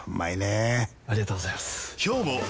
ありがとうございます！